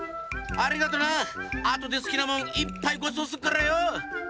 あとですきなもんいっぱいごちそうすっからよ！